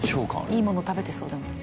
いいもの食べてそうだな。